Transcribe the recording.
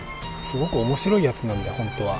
すごく面白いやつなんで本当は。